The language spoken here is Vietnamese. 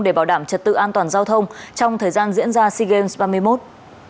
để bảo đảm trật tự an toàn giao thông trong thời gian diễn ra sea games ba mươi một